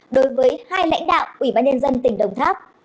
đối với hai lãnh đạo ubnd tỉnh đồng tháp